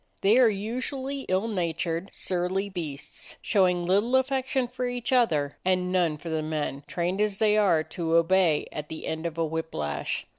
They are usually ill natured, surly beasts, showing little affection for each other and none for the men, trained, as they are, to obey at the end of a whip lash.